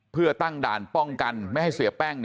เพื่อตั้งด่านป้องกันไม่ให้เสียแป้ง